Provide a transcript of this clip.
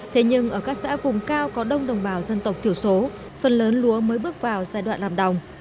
thế nhưng ở các xã vùng cao có đông đồng bào dân tộc thiểu số phần lớn lúa mới bước vào giai đoạn làm đồng